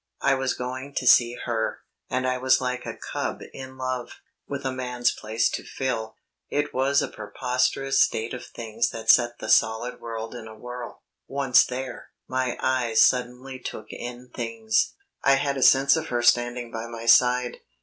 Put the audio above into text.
I was going to see her, and I was like a cub in love, with a man's place to fill. It was a preposterous state of things that set the solid world in a whirl. Once there, my eyes suddenly took in things. I had a sense of her standing by my side.